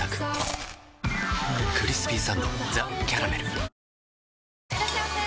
ニトリいらっしゃいませ！